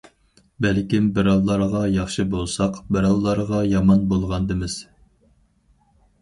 بەلكىم بىراۋلارغا ياخشى بولساق بىراۋلارغا يامان بولغاندىمىز.